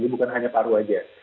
ini bukan hanya paru saja